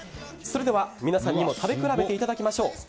それでは皆さんにも食べ比べていただきましょう。